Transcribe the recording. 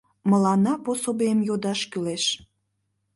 Мыланна пособийым йодаш кӱлеш.